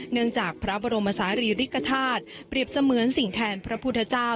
เนื่องจากพระบรมศาษฐ์ฤริกษาธาตุเปรียบเสมือนสิ่งแทนพระพุทธเจ้า